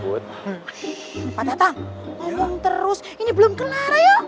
patah tang ngomong terus ini belum kelar ayo